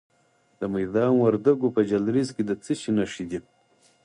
د میدان وردګو په جلریز کې د څه شي نښې دي؟